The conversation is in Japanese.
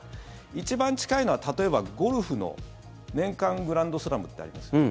一番近いのは例えばゴルフの年間グランドスラムってありますよね。